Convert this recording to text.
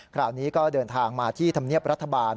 คราวนี้ก็เดินทางมาที่ธรรมเนียบรัฐบาล